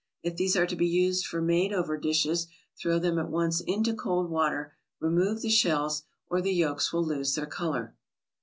If these are to be used for made over dishes, throw them at once into cold water, remove the shells, or the yolks will lose their color.